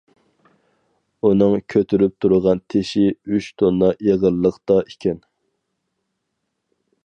ئۇنىڭ كۆتۈرۈپ تۇرغان تېشى ئۈچ توننا ئېغىرلىقتا ئىكەن.